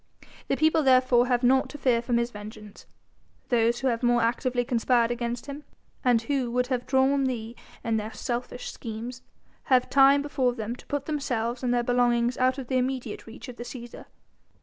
The people therefore have naught to fear from his vengeance: those who have more actively conspired against him, and who would have drawn thee in their selfish schemes, have time before them to put themselves and their belongings out of the immediate reach of the Cæsar.